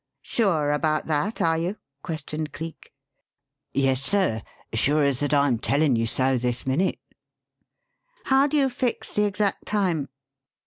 "Sure about that, are you?" questioned Cleek. "Yes, sir, sure as that I'm telling you so this minute." "How do you fix the exact time?"